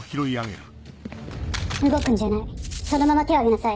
動くんじゃないそのまま手を上げなさい。